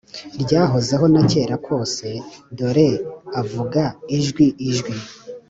Ryahozeho na kera kose Dore avuga ijwi ijwi